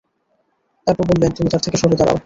তারপর বললেন, তুমি তার থেকে সরে দাঁড়াও।